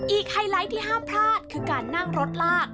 ไฮไลท์ที่ห้ามพลาดคือการนั่งรถลาก